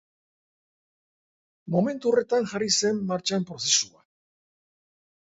Momentu horretan jarri zen martxan prozesua.